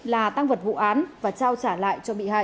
là tăng vật vụ án và trao trả lại cho bị hại